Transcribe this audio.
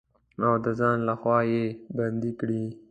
او د ځان لخوا يې بندې کړي.